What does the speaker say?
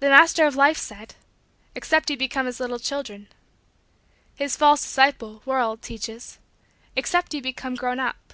The Master of Life said: "Except ye become as little children." His false disciple world teaches: "Except ye become grown up."